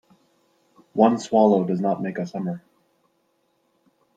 One swallow does not make a summer.